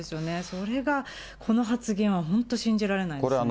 それがこの発言は本当、信じられないですね。